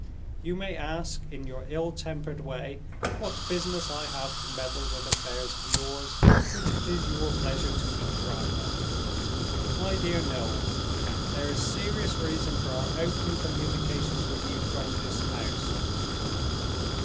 "You may ask, in your ill tempered way, what business I have to meddle with affairs of yours which it is your pleasure to keep private. My dear Noel, there is a serious reason for our opening communications with you from this house.